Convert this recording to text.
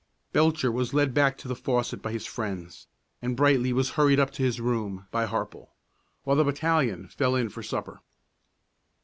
Belcher was led back to the faucet by his friends, and Brightly was hurried up to his room by Harple, while the battalion fell in for supper.